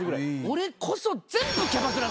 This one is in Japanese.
俺こそ。